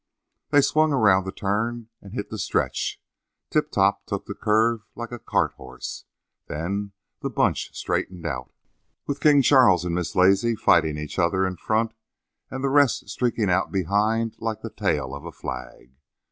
"They swung around the turn and hit the stretch. Tip Top took the curve like a cart horse. Then the bunch straightened out, with King Charles and Miss Lazy fighting each other in front and the rest streaking out behind like the tail of a flag.